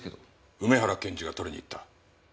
梅原検事が取りに行った。